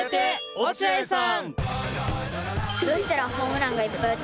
落合さん。